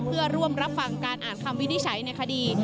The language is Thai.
เพื่อร่วมรับฟังการอ่านคำวินิจฉัยในคดี